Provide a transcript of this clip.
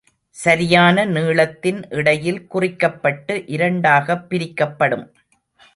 சரியான நீளத்தின் இடையில் குறிக்கப்பட்டு இரண்டாகப் பிரிக்கப்படும்.